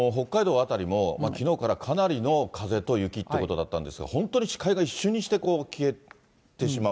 辺りもきのうからかなりの風と雪ってことだったんですが、本当に視界が一瞬にして消えてしまう。